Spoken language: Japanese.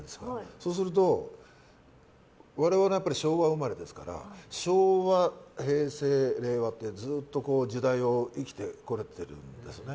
そうすると我々は昭和生まれですから昭和、平成、令和ってずっと時代を生きてるんですね。